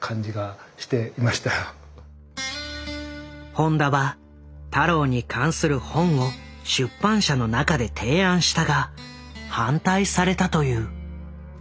本田は太郎に関する本を出版社の中で提案したが反対されたという。